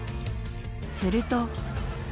すると。